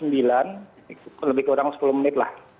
dan lebih kurang sepuluh menit lah